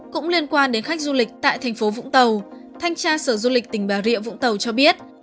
cũng liên quan đến khách du lịch tại thành phố vũng tàu thanh tra sở du lịch tỉnh bà rịa vũng tàu cho biết